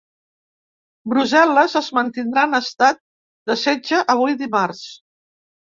Brussel·les es mantindrà en estat de setge avui dimarts.